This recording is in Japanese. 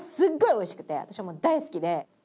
私はもう大好きで。